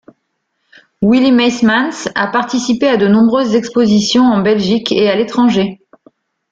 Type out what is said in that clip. Willy Meysmans a participé à de nombreuses expositions en Belgique et à l'étranger.